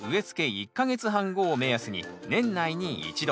１か月半後を目安に年内に１度。